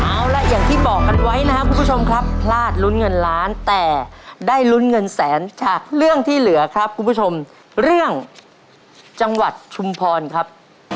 เอาล่ะอย่างที่บอกกันไว้นะครับคุณผู้ชมครับพลาดลุ้นเงินล้านแต่ได้ลุ้นเงินแสนจากเรื่องที่เหลือครับคุณผู้ชมเรื่องจังหวัดชุมพรครับ